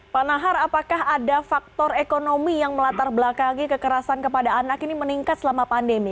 pak nahar apakah ada faktor ekonomi yang melatar belakangi kekerasan kepada anak ini meningkat selama pandemi